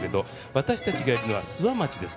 私たちがいるのは、諏訪町です。